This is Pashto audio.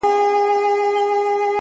تر مرگه پوري هره شـــپــــــه را روان؛